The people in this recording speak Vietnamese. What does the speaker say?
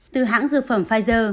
từ hãng dược phẩm pfizer